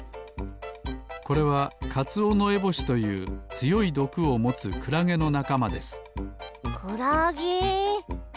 これはカツオノエボシというつよいどくをもつクラゲのなかまですクラゲ！？